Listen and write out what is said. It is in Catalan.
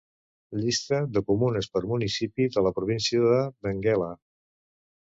Llista de comunes per municipi de la província de Benguela.